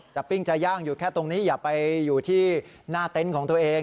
ปิ้งจะย่างอยู่แค่ตรงนี้อย่าไปอยู่ที่หน้าเต็นต์ของตัวเอง